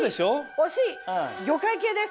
惜しい！魚介系です。